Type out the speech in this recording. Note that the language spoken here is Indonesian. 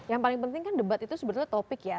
yang paling penting kan debat itu sebetulnya topik ya